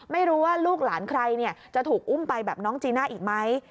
ไม่รู้ว่าลูกหลานใครจะถูกอุ้มไปแบบน้องจีน่าอีกไหม